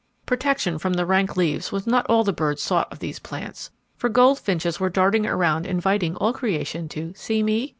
Protection from the rank leaves was not all the birds sought of these plants, for goldfinches were darting around inviting all creation to "See me?"